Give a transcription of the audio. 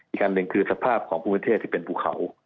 อีกอันหนึ่งคือสภาพของภูมิประเทศที่เป็นภูเขา